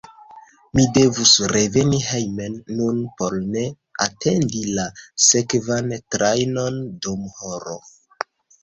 Mi devus reveni hejmen nun por ne atendi la sekvan trajnon dum horo.